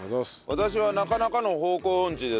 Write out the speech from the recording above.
私はなかなかの方向音痴です。